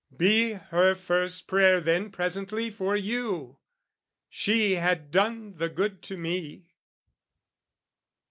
Be her first prayer then presently for you She had done the good to me...